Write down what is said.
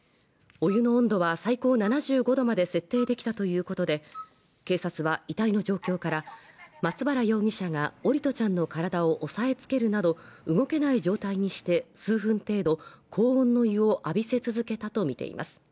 お湯の温度は最高７５℃まで設定できたということで、警察は遺体の状況から松原容疑者が折戸ちゃんの体を押さえつけるなど、動けない状態にして数分程度、高温の湯を浴びせ続けたとみています。